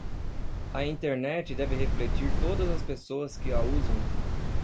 A Internet deve refletir todas as pessoas que a usam